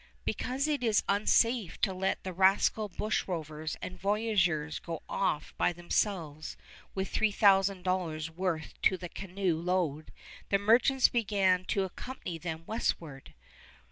Because it is unsafe to let the rascal bushrovers and voyageurs go off by themselves with $3000 worth to the canoe load, the merchants began to accompany them westward.